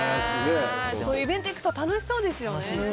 イベントに行くと楽しそうですよね。